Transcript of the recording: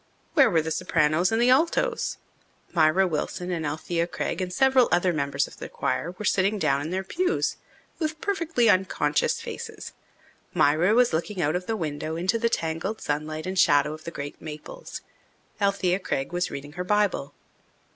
Where were the sopranos and the altos? Myra Wilson and Alethea Craig and several other members of the choir were sitting down in their pews with perfectly unconscious faces. Myra was looking out of the window into the tangled sunlight and shadow of the great maples. Alethea Craig was reading her Bible.